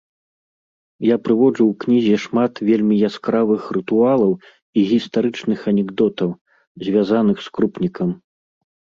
Я прыводжу ў кнізе шмат вельмі яскравых рытуалаў і гістарычных анекдотаў, звязаных з крупнікам.